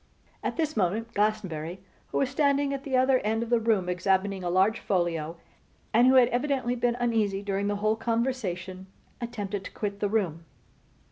At this moment Glastonbury, who was standing at the other end of the room examining a large folio, and who had evidently been uneasy during the whole conversation, attempted to quit the room.